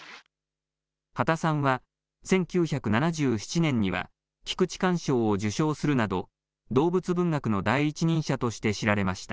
畑さんは、１９７７年には菊池寛賞を受賞するなど、動物文学の第一人者として知られました。